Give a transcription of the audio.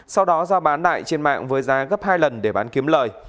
sau đó giao bán đại trên mạng với giá gấp hai lần để bán kiếm lời